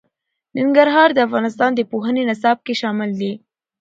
ننګرهار د افغانستان د پوهنې نصاب کې شامل دي.